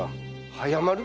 早まる？